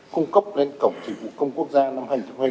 cung cấp lên cổng chính phủ công quốc gia năm hai nghìn hai mươi bốn